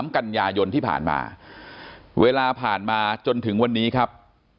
กันยายนที่ผ่านมาเวลาผ่านมาจนถึงวันนี้ครับ